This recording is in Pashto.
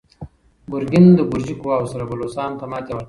ګورګین د ګرجي قواوو سره بلوڅانو ته ماتې ورکړه.